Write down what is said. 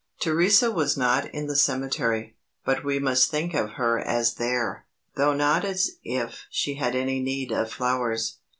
Theresa was not in the cemetery, but we must think of her as there; though not as if she had any need of flowers.